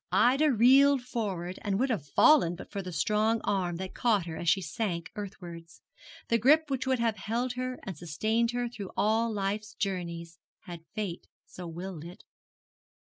Ida reeled forward, and would have fallen but for the strong arm that caught her as she sank earthwards, the grip which would have held her and sustained her through all life's journey had fate so willed it.